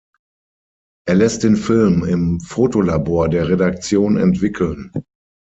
Er lässt den Film im Fotolabor der Redaktion entwickeln.